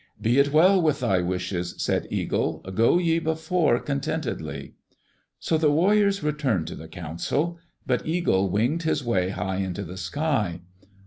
"Be it well with thy wishes," said Eagle. "Go ye before contentedly." So the warriors returned to the council. But Eagle winged his way high into the sky.